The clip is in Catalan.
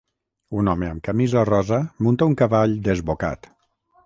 Un home amb camisa rosa munta un cavall desbocat.